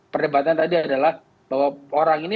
perdebatan tadi adalah bahwa orang ini